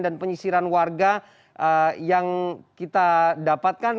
dan penyisiran warga yang kita dapatkan